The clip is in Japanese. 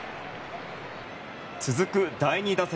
続く第２打席。